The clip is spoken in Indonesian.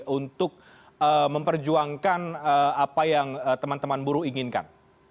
untuk memperjuangkan apa yang teman teman buruh inginkan